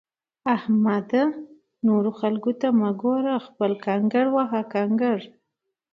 احمده! نورو خلګو ته مه ګوره؛ خپل کنګړ وهه کنکړ!